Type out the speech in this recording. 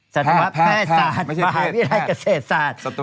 สัตวแพทยศาสตร์มหาวิทยาลัยเกษตรศาสตร์